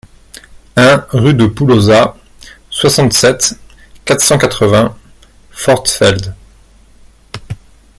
un rue de Poulouzat, soixante-sept, quatre cent quatre-vingts, Forstfeld